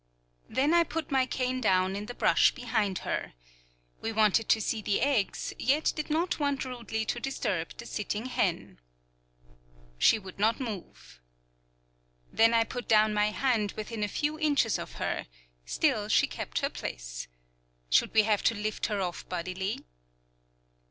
Then I put my cane down in the brush behind her. We wanted to see the eggs, yet did not want rudely to disturb the sitting hen. She would not move. Then I put down my hand within a few inches of her; still she kept her place. Should we have to lift her off bodily?